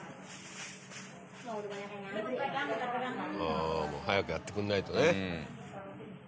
ああもう早くやってくれないとね。